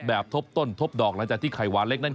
ทบต้นทบดอกหลังจากที่ไข่หวานเล็กนั้น